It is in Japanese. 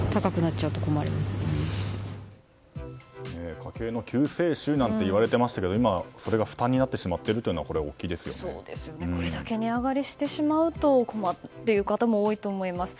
家計の救世主とも言われていましたけども今それが負担になってしまっているというのはこれだけ値上がりしてしまうと困るという方も多いと思います。